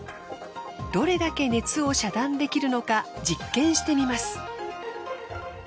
どれだけ熱を遮断できるのか実験してみます。